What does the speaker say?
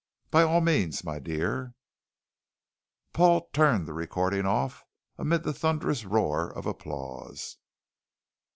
By all means, my dear...." Paul turned the recording off amid the thunderous roar of applause.